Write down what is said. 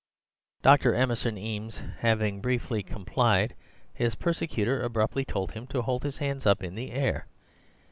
"Dr. Emerson Eames having briefly complied, his persecutor abruptly told him to hold his hands up in the air.